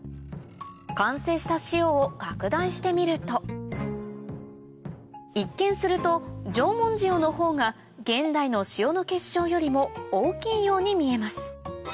完成した塩を拡大してみると一見すると縄文塩のほうが現代の塩の結晶よりも大きいように見えます